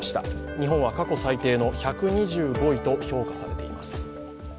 日本は過去最低の１２５位と評価されています。